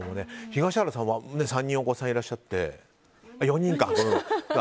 東原さんは４人お子さんがいらっしゃって。